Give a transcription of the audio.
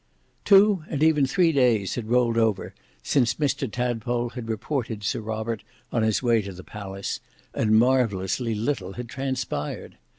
Two and even three days had rolled over since Mr Tadpole had reported Sir Robert on his way to the palace, and marvellously little had transpired.